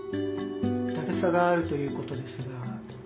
だるさがあるということですが。